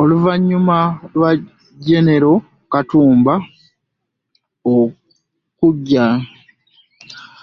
Oluvannyuma lwa jenero Katumba ookujjanjabwa, abasawo bamukkiriza agende naye yeetabe mu kuziika.